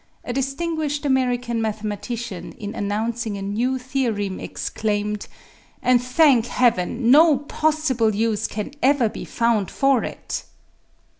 A distinguished American mathematician in announcing a new theorem exclaimed :" And thank Heaven, no possible use can ever be found for it."